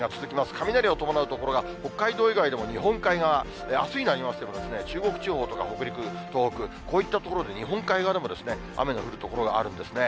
雷を伴う所が、北海道以外でも日本海側、あすになりますけど、中国地方とか北陸、東北、こういった所で日本海側でもですね、雨の降る所があるんですね。